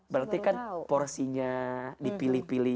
berarti kan porsinya dipilih pilih